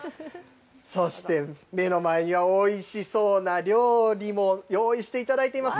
そして、目の前にはおいしそうな料理も用意していただいています。